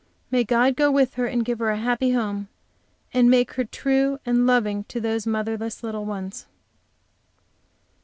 May God go with her and give her a happy home, and make her true and loving to those motherless little ones!